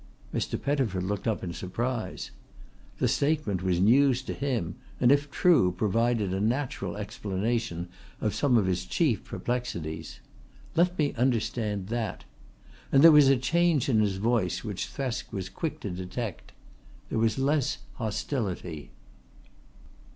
Mr. Pettifer looked up in surprise. The statement was news to him and if true provided a natural explanation of some of his chief perplexities. "Let me understand that!" and there was a change in his voice which Thresk was quick to detect. There was less hostility.